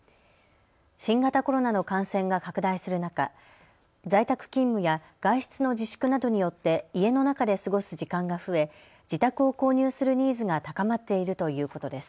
新型コロナの感染が拡大する中、在宅勤務や外出の自粛などによって家の中で過ごす時間が増え自宅を購入するニーズが高まっているということです。